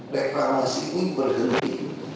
reklamasi ini berhenti